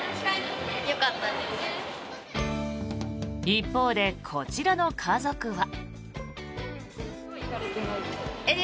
一方で、こちらの家族は。